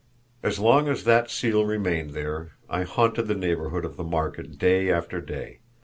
As long as that seal remained there I haunted the neighborhood of the market day after day.